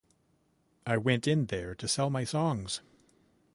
I went in there to sell my songs.